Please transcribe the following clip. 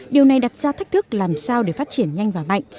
điều này đặt ra thách thức làm sao để phát triển nhanh và mạnh